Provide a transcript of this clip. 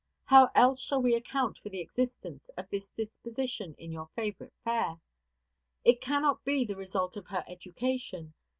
How else shall we account for the existence of this disposition in your favorite fair? It cannot be the result of her education.